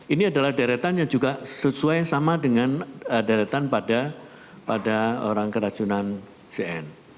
ini adalah deretan yang juga sesuai sama dengan deretan pada orang keracunan cn